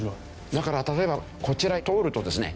だから例えばこちら通るとですね